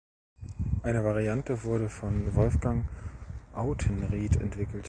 Eine Variante wurde von Wolfgang Autenrieth entwickelt.